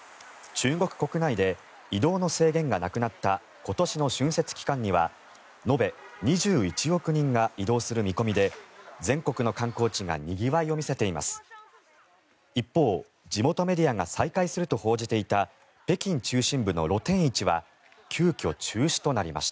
中国国内で移動の制限がなくなった今年の春闘期間には延べ２１億人が移動する見込みで全国の観光地がにぎわいを見せています。